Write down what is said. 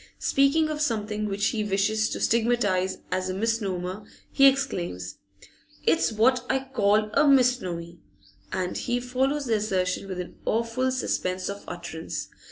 Speaking of something which he wishes to stigmatise as a misnomer, he exclaims: 'It's what I call a misnomy!' And he follows the assertion with an awful suspense of utterance.